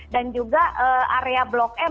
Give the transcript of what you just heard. dan juga area blok m